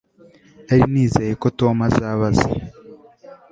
Nari nizeye ko Tom azabaza